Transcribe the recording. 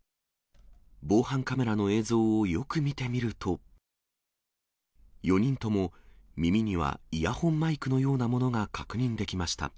防犯カメラの映像をよく見てみると、４人とも耳にはイヤホンマイクのようなものが確認できました。